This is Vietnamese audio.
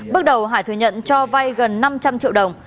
bước đầu hải thừa nhận cho vay gần năm trăm linh triệu đồng